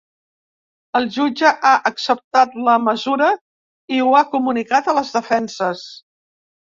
El jutge ha acceptat la mesura i ho ha comunicat a les defenses.